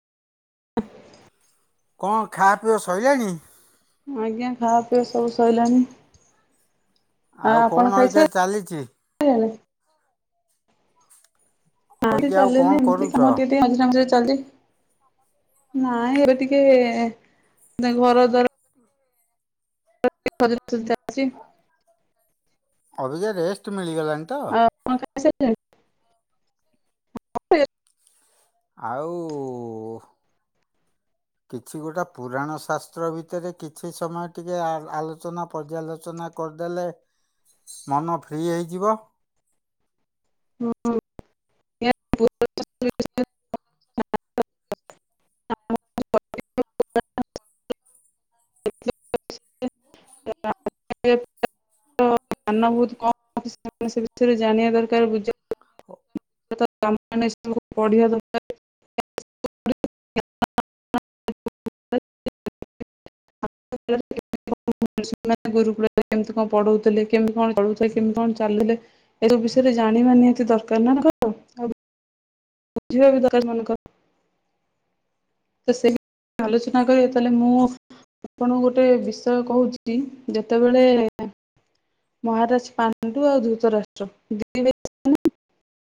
ହଁ କଣ ଖାଅ ପିଅ ସଇଲାଣି? ଆଜ୍ଞା, ଖାଅ ପିଅ ସବୁ ସଇଲାଣି। ଆ ଆଉ ଆପଣ କଣ ଅବିକା ଖାଇସାରିଲେଣି? ଚାଲିଚି? ନା କିଛି ଅଇକା ଆଉ କଣ ଚାଲିନି। ଏମତି କରୁଛ କାମ ଟିକେ ଟିକେ ମଝିରି ମଝିରେ ତନ୍ତି, ନାଇଁ ଏବେ ଟିକେ [unintelligible] ଘର ଦ୍ବାର [inaudible] ସଜାରୁଚି। ଅଭିକା ରେଷ୍ଟ ମିଳିଗଲା ଇନତ [inaudible] ଆଉ କିଛି ଗୋଟେ ପୁରାଣ ଶାସ୍ତ୍ର ଭିତରେ କିଛି ସମୟ ଟିକେ ଆ ଆଲୋଚନା ପର୍ଯ୍ୟାଲୋଚନା କରିଦେଲେ ମନ ଫ୍ରି ହେଇଯିବ [inaudible] ାନ ବହୁ କ ଅ [unintelligible] ସେ ବିଷୟରେ ଜାଣିବା ଦରକାର ବୁ [unintelligible] ହଁ ଆ ବୁଝିବା ବି ଦରକାର ମନେକ ତ ସେି ଆଲୋଚନା କରିବ ତାହେଲେ ମୁଁ ଆପଣଙ୍କୁ ଗୋଟେ ବିଷୟ କହୁଛି ଯେତେବେଳେ ମହାରାଜ ପାଣ୍ଡୁ ଆଉ ଧୁତରାଷ୍ଟ୍ର ଦ